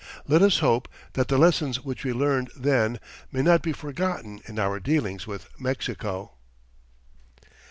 Let us hope that the lessons which we learned then may not be forgotten in our dealings with Mexico.